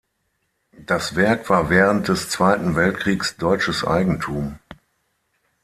Das Werk war während des Zweiten Weltkriegs Deutsches Eigentum.